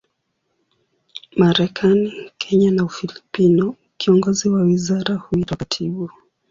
Marekani, Kenya na Ufilipino, kiongozi wa wizara huitwa katibu.